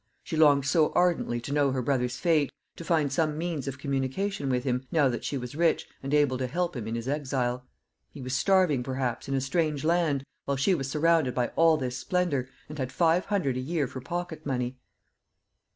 She longed so ardently to know her brother's fate, to find some means of communication with him, now that she was rich, and able to help him in his exile. He was starving, perhaps, in a strange land, while she was surrounded by all this splendour, and had five hundred a year for pocket money.